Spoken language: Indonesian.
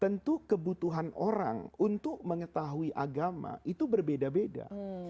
tentu kebutuhan orang untuk mengetahui agama itu berbeda beda